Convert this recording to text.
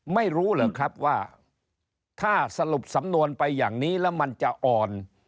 ไม่รู้เหรอครับว่าถ้าสรุปสำนวนไปอย่างนี้แล้วมันจะอ่อน